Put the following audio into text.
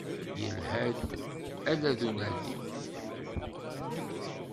Yelha-d ala d unadi.